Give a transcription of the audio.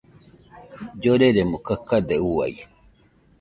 Lloreremo kakade uai.